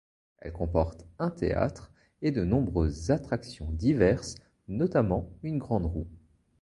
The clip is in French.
Elle comporte un théâtre et de nombreuses attractions diverses notamment une Grande roue.